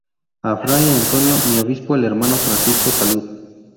A fray Antonio, mi obispo, el hermano Francisco, salud.